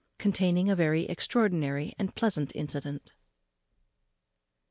_Containing a very extraordinary and pleasant incident.